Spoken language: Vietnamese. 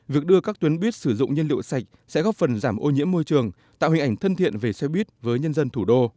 việc đưa các tuyến buýt sử dụng nhiên liệu sạch sẽ góp phần giảm ô nhiễm môi trường tạo hình ảnh thân thiện về xe buýt với nhân dân thủ đô